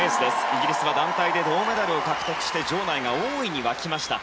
イギリスは団体で銅メダルを獲得して場内が大いに沸きました。